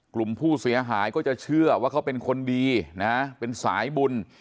กลุ่มผู้เสียหายก็จะเชื่อว่าเขาเป็นคนดีนะเป็นสายบุญ